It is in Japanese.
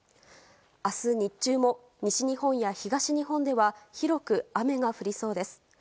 明日、日中も西日本や東日本では広く雨が降りそうです。